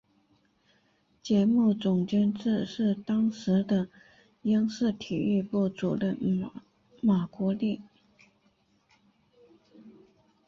节目总监制是当时的央视体育部主任马国力。